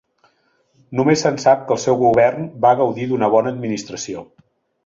Només se'n sap que el seu govern va gaudir d'una bona administració.